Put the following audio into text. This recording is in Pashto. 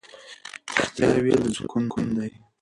ریښتیا ویل د زړه سکون دی.